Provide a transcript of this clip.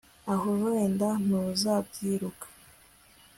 aho wenda ntuzabyiruka